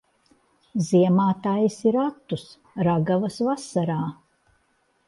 Ziemā taisi ratus, ragavas vasarā.